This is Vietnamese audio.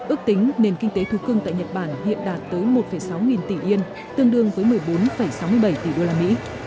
ước tính nền kinh tế thú cưng tại nhật bản hiện đạt tới một sáu nghìn tỷ yên tương đương với một mươi bốn sáu mươi bảy tỷ usd